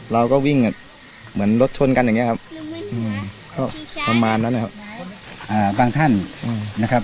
เราก็วิ่งเหมือนรถชนกันอย่างเนี้ยครับ